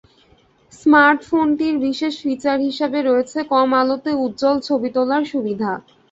স্মার্টফোনটির বিশেষ ফিচার হিসেবে রয়েছে কম আলোতে উজ্জ্বল ছবি তোলার সুবিধা।